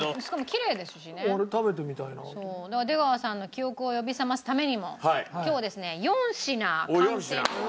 そうだから出川さんの記憶を呼び覚ますためにも今日はですね